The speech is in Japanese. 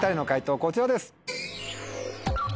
こちらです。